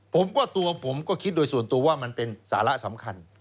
ผมว่าตัวผมก็คิดโดยส่วนตัวว่ามันเป็นสาระสำคัญ